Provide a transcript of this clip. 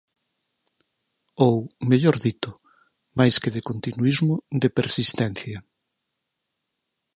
Ou, mellor dito, máis que de continuísmo de persistencia.